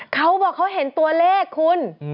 เขาบอกเขาเห็นตัวเลขคุณ